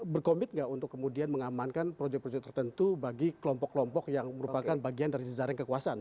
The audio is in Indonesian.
berkomit gak untuk kemudian mengamankan projek projek tertentu bagi kelompok kelompok yang merupakan bagian dari sejarah kekuasaan